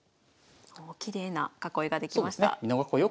おきれいな囲いが出来ました。